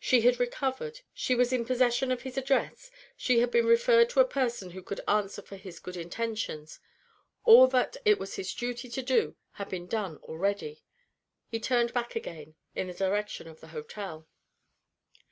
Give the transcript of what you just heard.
She had recovered, she was in possession of his address, she had been referred to a person who could answer for his good intentions; all that it was his duty to do, had been done already. He turned back again, in the direction of the hotel.